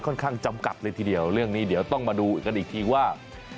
ข้างจำกัดเลยทีเดียวเรื่องนี้เดี๋ยวต้องมาดูกันอีกทีว่า